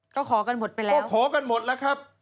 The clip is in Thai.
ก็ขอกันหมดไปแล้วก็ขอกันหมดแล้วครับ